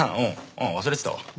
あっ忘れてたわ。